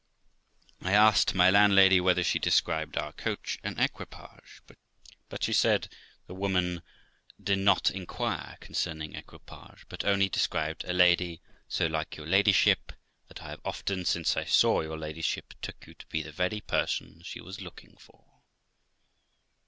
394 TH E LIFE OF ROXANA I asked my landlady whether she described our coach and equipage, but she said the young woman did not inquire concerning equipage, but only described a lady, "so like your ladyship, that I have often, since I saw your ladyship, took you to be the very person she was looking for."